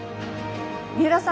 三浦さん